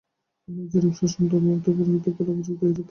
আপনারা যেরূপ শাসন, ধর্ম ও পুরোহিতকুল পাইবার উপযুক্ত, সেইরূপই পাইবেন।